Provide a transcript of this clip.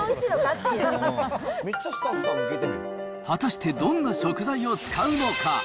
果たしてどんな食材を使うのか。